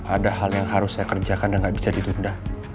ada hal yang harus saya kerjakan dan tidak bisa ditunda